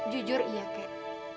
jujur iya kek